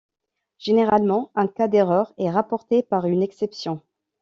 Généralement, un cas d'erreur est rapporté par une exception.